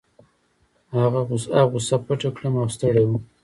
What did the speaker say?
هغه غوسه پټه کړم او ستړی وم.